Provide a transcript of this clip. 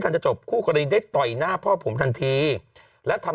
จะจบคู่กรณีได้ต่อยหน้าพ่อผมทันทีและทำ